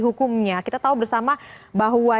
hukumnya kita tahu bersama bahwa